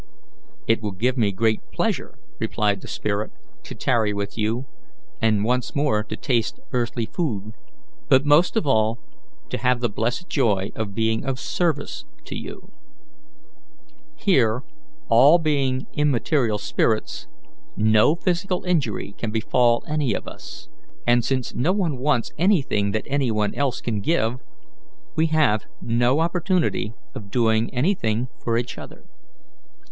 "It will give me great pleasure," replied the spirit, "to tarry with you, and once more to taste earthly food, but most of all to have the blessed joy of being of service to you. Here, all being immaterial spirits, no physical injury can befall any of us; and since no one wants anything that any one else can give, we have no opportunity of doing anything for each other.